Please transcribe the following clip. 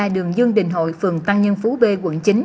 đường dương đình hội phường tăng nhân phú b quận chín